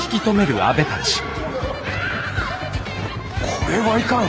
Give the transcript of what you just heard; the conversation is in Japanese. これはいかん！